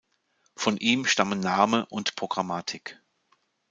Von ihm stammen Name und Programmatik.